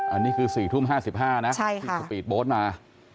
อันนี้คือ๔ทุ่ม๕๕นาทีที่ที่จะปีดโบสท์มา